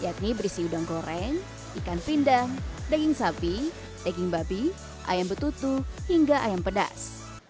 yakni berisi udang goreng ikan pindang daging sapi daging babi ayam betutu hingga ayam pedas